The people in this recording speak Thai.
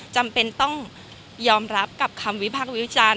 จำเป็นต้องยอมรับกับคำวิพากษ์วิจารณ์